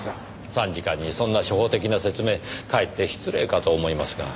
参事官にそんな初歩的な説明かえって失礼かと思いますが。